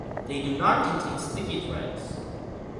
They do not contain sticky threads.